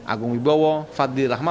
agung wibowo fadli rahman